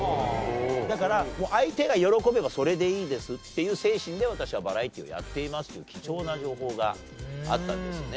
だから相手が喜べばそれでいいですっていう精神で私はバラエティーをやっていますという貴重な情報があったんですよね。